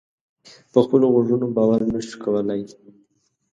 په خپلو غوږونو باور نه شو کولای.